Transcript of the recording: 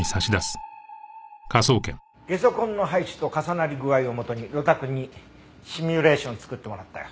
ゲソ痕の配置と重なり具合をもとに呂太くんにシミュレーションを作ってもらったよ。